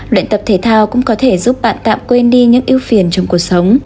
luyện tập thể thao cũng có thể giúp bạn tạm quên đi những yêu phiền trong cuộc sống